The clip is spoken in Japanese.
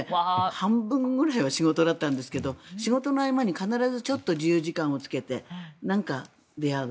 半分ぐらいは仕事だったんですが仕事の合間に必ず自由時間をつけてなんか、出会う。